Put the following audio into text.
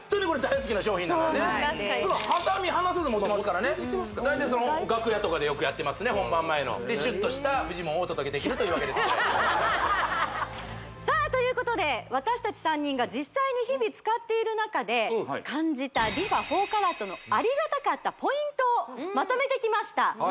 これさあということで私達３人が実際に日々使っている中で感じたＲｅＦａ４ＣＡＲＡＴのありがたかったポイントをまとめてきました